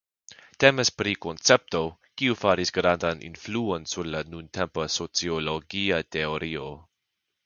Temas pri koncepto kiu faris grandan influon sur la nuntempa sociologia teorio.